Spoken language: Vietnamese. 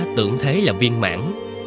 tưởng thế là viên mãn